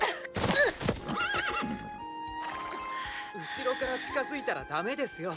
後ろから近づいたらだめですよ。